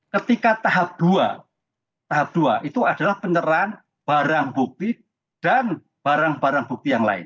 ketika tahap dua tahap dua itu adalah penyerahan barang bukti dan barang barang bukti yang lain